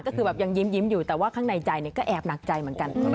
ก็คือแบบยังยิ้มอยู่แต่ว่าข้างในใจก็แอบหนักใจเหมือนกัน